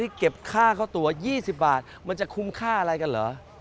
เก็บค่าเข้าตัว๒๐บาทมันจะคุ้มค่าอะไรกันเหรอ